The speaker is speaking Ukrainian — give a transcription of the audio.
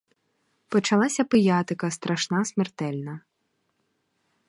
Почалася пиятика, страшна, смертельна.